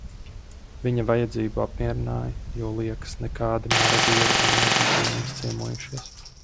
"Viņa vajadzību apmierināju, jo liekas, nekādi "marodieri" vēl nebij pie mums ciemojušies."